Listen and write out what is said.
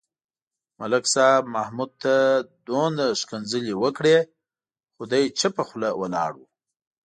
ملک صاحب محمود ته څومره کنځلې وکړې. خو دی چوپه خوله ولاړ و.